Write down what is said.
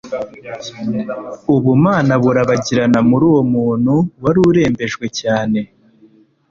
Ubumana burabagirana muri uwo muntu wari urembejwe cyane,